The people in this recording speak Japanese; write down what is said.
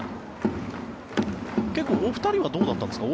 結構お二人はどうだったんですか？